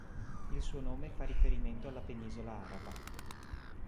Il suo nome fa riferimento alla penisola araba.